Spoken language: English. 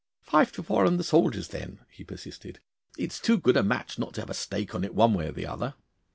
'Five to four on the soldiers, then!' he persisted. 'It is too good a match not to have a stake on it one way or the other.